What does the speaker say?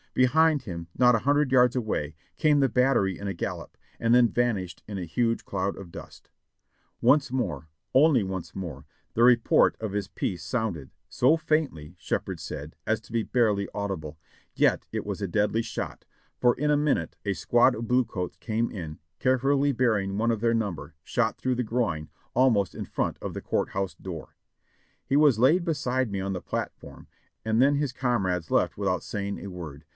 Behind him, not a hundred yards away, came the battery in a gallop, and then vanished in a huge cloud of dust. 554 JOHNNY REB and BILLrY YANK Once more ! only once more, the report of his piece sounded^ so faintly, Shepherd said, as to be barely audible, yet it was a deadly shot, for in a minute a squad of blue coats came in, care fully bearing one of their number, shot through the groin, almost in front of the court house door. He was laid beside me on the platform, and then his comrades left without saying a word.